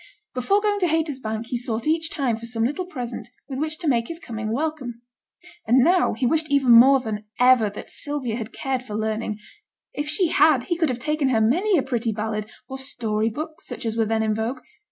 Before going to Haytersbank he sought each time for some little present with which to make his coming welcome. And now he wished even more than ever that Sylvia had cared for learning; if she had he could have taken her many a pretty ballad, or story book, such as were then in vogue.